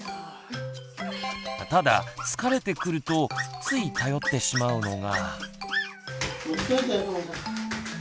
ただ疲れてくるとつい頼ってしまうのが。